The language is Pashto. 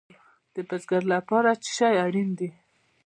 د بزګر لپاره څه شی اړین دی؟